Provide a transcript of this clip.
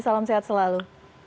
salam sehat selalu